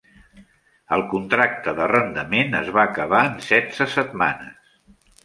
El contracte d'arrendament es va acabar en setze setmanes.